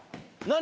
何？